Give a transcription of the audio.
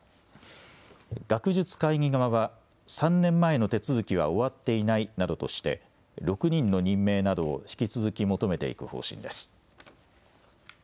学術会議側は３年前の手続きは終わっていないなどとして、６人の任命などを引き続き求めていく方針です。